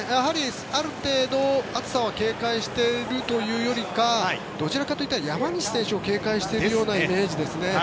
ある程度暑さは警戒しているというよりかはどちらかというと山西選手を警戒しているようなイメージですね。